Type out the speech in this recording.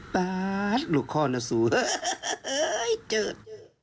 ป๊าดลูกคอหนสุเจ็ด